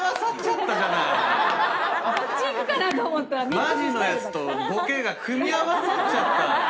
マジのやつとボケが組み合わさっちゃった。